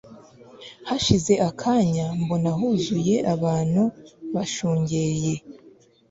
hashize akanya mbona huzeye abantu bashungeye